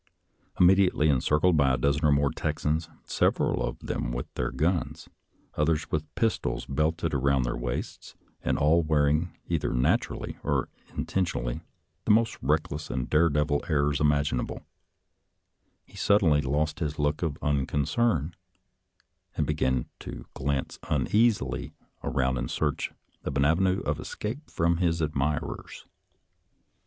Imme diately encircled by a dozen or more Texans, several of them with their guns, others with pis tols belted around their waists, and all wearing, either naturally or intentionally, the most reck less and dare devil airs imaginable, he suddenly 96 SOLDIER'S LETTERS TO CHARMING NELLIE lost his look of unconcern, and began to glance uneasily around in search of an avenue of escape from his admirers.